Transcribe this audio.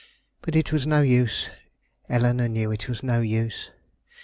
But it was no use; Eleanore knew it was no use.